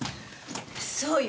そうよ。